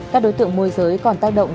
các đối tượng môi giới còn tác động